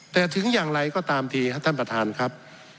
แต่ถึงอย่างไรก็ตามทีครับท่านประธานครับ